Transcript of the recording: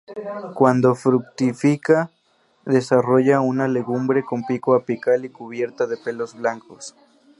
Cuando fructifica desarrolla una legumbre con pico apical y cubierta de pelos blancos.